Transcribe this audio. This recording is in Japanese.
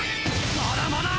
まだまだぁ！